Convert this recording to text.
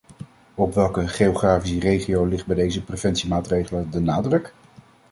Op welke geografische regio ligt bij deze preventiemaatregelen de nadruk?